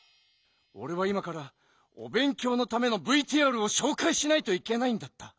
おれは今からお勉強のためのＶＴＲをしょうかいしないといけないんだった。